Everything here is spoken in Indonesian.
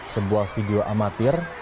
sebuah video amatir